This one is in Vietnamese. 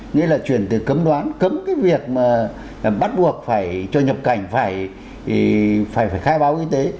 nghĩa là chuyển từ cấm đoán cấm cái việc mà bắt buộc phải cho nhập cảnh phải khai báo y tế